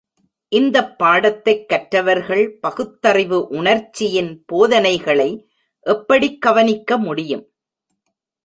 இந்தப் பாடத்தைக் கற்றவர்கள் பகுத்தறிவு உணர்ச்சியின் போதனைகளை எப்படிக் கவனிக்க முடியும்?